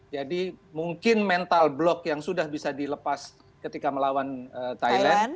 jadi mungkin mental block yang sudah bisa dilepas ketika melawan thailand